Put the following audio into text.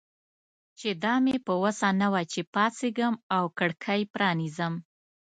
چې دا مې په وسه نه وه چې پاڅېږم او کړکۍ پرانیزم.